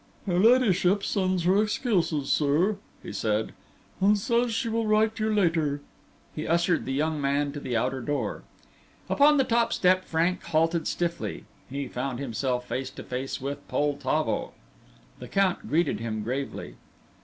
"Her ladyship sends her excuses, sir," he said, "and says she will write you later." He ushered the young man to the outer door. Upon the top step Frank halted stiffly. He found himself face to face with Poltavo. The Count greeted him gravely.